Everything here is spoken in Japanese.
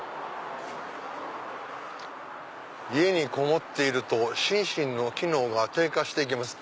「家にこもっていると心身の機能が低下していきます」。